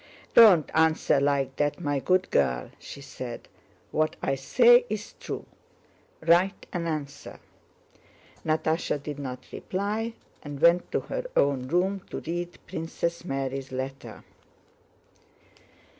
"Don't answer like that, my good girl!" she said. "What I say is true! Write an answer!" Natásha did not reply and went to her own room to read Princess Mary's letter.